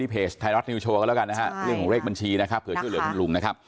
ดีครับดีมากเลย